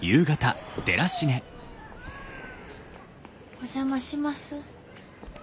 お邪魔します。